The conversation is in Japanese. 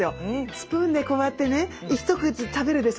スプーンでこうやってね一口食べるでしょ。